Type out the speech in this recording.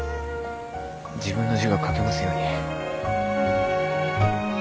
自分の字が書けますように。